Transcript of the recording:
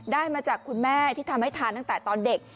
ได้มาจากคุณแม่ที่ทำให้ทานตอนเด็ก